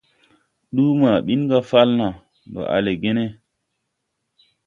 Ūuu maa ɓin ga Falna. Ndɔ a le ge ne ?